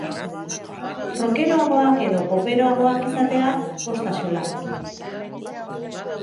Rockeroagoak edo poperoagoak izatea, bost axola.